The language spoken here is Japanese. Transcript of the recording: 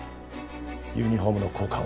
ユニホームの交換を。